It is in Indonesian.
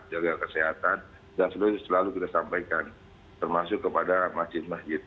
jaga kesehatan dan selalu kita sampaikan termasuk kepada masjid masjid